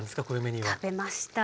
食べました。